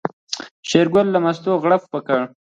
شېرګل له مستو غوړپ وکړ.